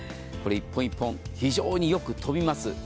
これ一本一本非常によく飛びます。